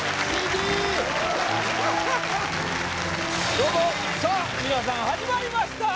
どうもさっ皆さん始まりました